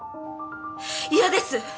嫌です